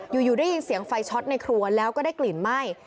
อยู่ได้ยินเสียงไฟช็อตในครัวแล้วก็ได้กลิ่นไหม้